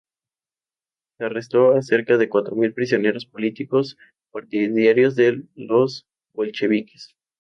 Se arrestó a cerca de cuatro mil prisioneros políticos, partidarios de los bolcheviques.